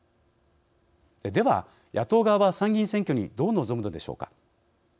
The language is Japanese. では、野党側は、参議院選挙にどう臨むのでしょうか。